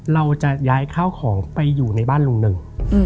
เราจะย้ายข้าวของไปอยู่ในบ้านลุงหนึ่ง